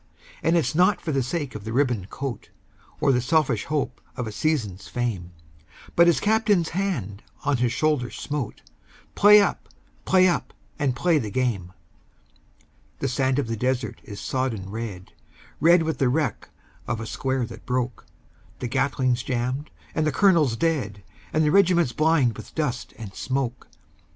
And it's not for the sake of a ribboned coat, Or the selfish hope of a season's fame, But his Captain's hand on his shoulder smote "Play up! play up! and play the game!" The sand of the desert is sodden red, Red with the wreck of a square that broke; The Gatling's jammed and the colonel dead, And the regiment blind with dust and smoke.